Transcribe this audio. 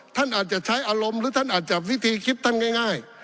ท่านอาจจะใช้อารมณ์หรือท่านอาจจะวิธีคิดท่านง่าย